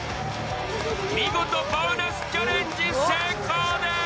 見事、ボーナスチャレンジ成功です。